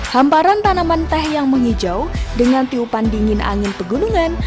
hamparan tanaman teh yang menghijau dengan tiupan dingin angin pegunungan